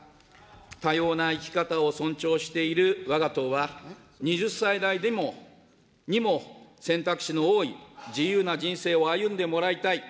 多様な生き方を尊重しているわが党は、２０歳代にも、選択肢の多い自由な人生を歩んでもらいたい。